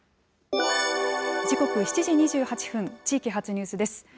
時刻、７時２８分、地域発ニュースです。